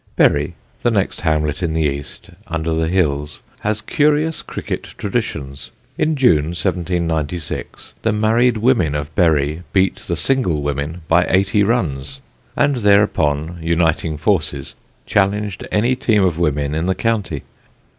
Bury, the next hamlet in the east, under the hills, has curious cricket traditions. In June, 1796, the married women of Bury beat the single women by 80 runs, and thereupon, uniting forces, challenged any team of women in the county.